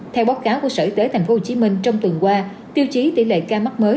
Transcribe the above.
theo báo cáo của sở y tế tp hcm trong tuần qua tiêu chí tỷ lệ ca mắc mới